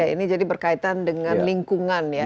ini jadi berkaitan dengan lingkungan ya